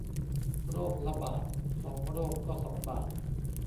โรคละบาท สองโรคก็สองบาท